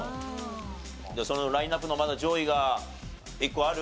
そのラインアップのまだ上位が１個ある？